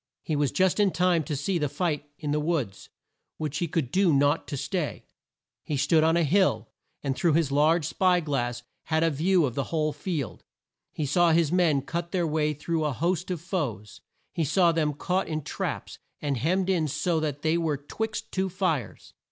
He was just in time to see the fight in the woods, which he could do naught to stay. He stood on a hill, and through his large spy glass had a view of the whole field. He saw his men cut their way through a host of foes. He saw them caught in traps, and hemmed in so that they were 'twixt two fires.